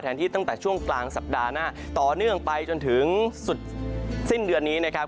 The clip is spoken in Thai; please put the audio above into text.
ที่ตั้งแต่ช่วงกลางสัปดาห์หน้าต่อเนื่องไปจนถึงสุดสิ้นเดือนนี้นะครับ